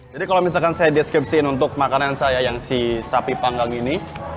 jadi kalau misalkan saya deskripsi untuk makanan saya yang si sapi panggang ini